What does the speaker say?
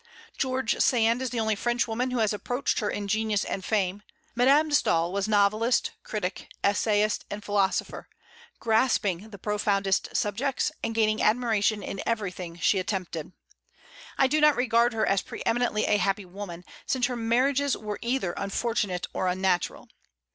George Sand is the only Frenchwoman who has approached her in genius and fame. Madame de Staël was novelist, critic, essayist, and philosopher, grasping the profoundest subjects, and gaining admiration in everything she attempted. I do not regard her as pre eminently a happy woman, since her marriages were either unfortunate or unnatural.